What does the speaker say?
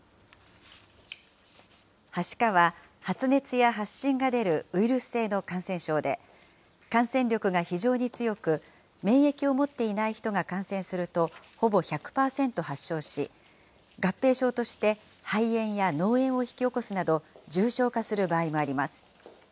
はしかは発熱や発疹が出るウイルス性の感染症で、感染力が非常に強く、免疫を持っていない人が感染すると、ほぼ１００％発症し、合併症として肺炎や脳炎を引き起こすなど、重症化する場合もあります。